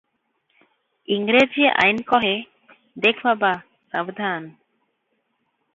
ଇଂରେଜୀ ଆଇନ କହେ, 'ଦେଖ ବାବା ସାବଧାନ!